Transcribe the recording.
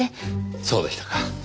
そうでしたか。